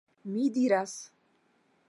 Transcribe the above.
Mi diras..